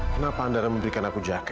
kenapa anda memberikan aku jaka